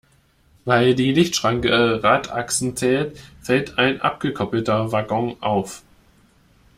Weil die Lichtschranke Radachsen zählt, fällt ein abgekoppelter Waggon auf.